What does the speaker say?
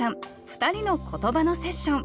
２人の言葉のセッション。